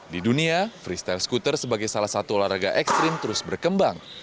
di dunia freestyle skuter sebagai salah satu olahraga ekstrim terus berkembang